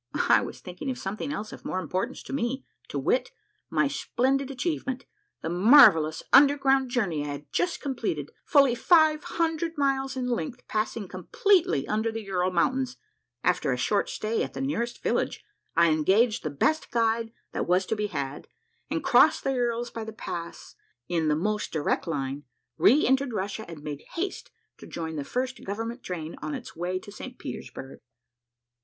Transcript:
I was thinking of some thing else of more importance to me, to wit: my splendid achievement, the marvellous underground journey I had just completed, fully five hundred miles in length, passing com pletely under the Ural Mountains I After a short stay at the nearest village, I engaged the best guide that Avas to be had, and crossing the Urals by the pass in tlie most direct line, re entered Russia and made haste to join the first government train on its Avay to St. Petersburg.